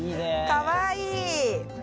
かわいい。